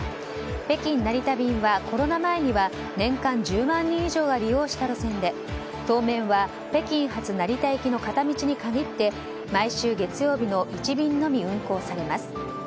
北京成田便はコロナ前には年間１０万人以上が利用した路線で当面は北京発成田行きの片道に限って毎週月曜日の１便のみ運航されます。